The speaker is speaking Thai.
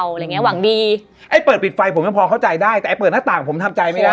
อะไรอย่างเงี้หวังดีไอ้เปิดปิดไฟผมยังพอเข้าใจได้แต่ไอ้เปิดหน้าต่างผมทำใจไม่ได้